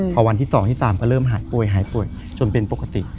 พอวันที่๒๓ก็เริ่มหายป่วยจนเป็นปกติ